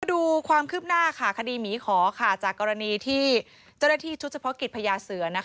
ดูความคืบหน้าค่ะคดีหมีขอจากกรณีที่เจ้าหน้าที่ชุดเฉพาะกิจพญาเสือ